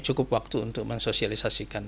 cukup waktu untuk mensosialisasikan